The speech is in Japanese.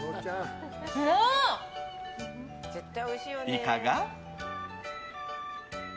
いかが？